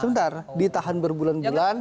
sebentar ditahan berbulan bulan